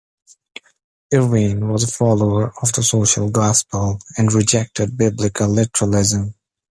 Irvine was a follower of the social gospel, and rejected Biblical literalism.